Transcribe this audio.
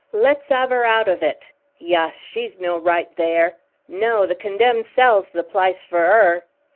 "Let's 'ave 'er aht of it." "Yuss, she ain't no right there." "No; the condemned cell's the plice for 'er!"